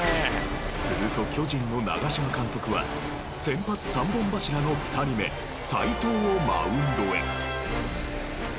すると巨人の長嶋監督は先発三本柱の２人目斎藤をマウンドへ。